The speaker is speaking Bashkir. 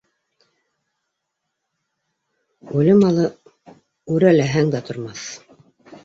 Үле малы үрәләһәң дә тормаҫ.